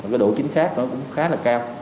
cái độ chính xác nó cũng khá là cao